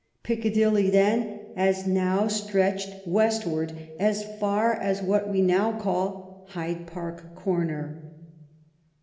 Piccadilly then, as now, stretched westward as far as what we now call Hyde Park Comer.